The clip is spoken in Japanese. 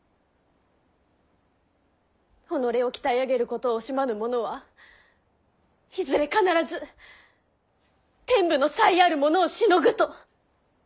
己を鍛え上げることを惜しまぬ者はいずれ必ず天賦の才ある者をしのぐと。